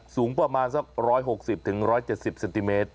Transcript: สูงประมาณสัก๑๖๐๑๗๐เซนติเมตร